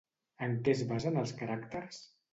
En què es basen els caràcters?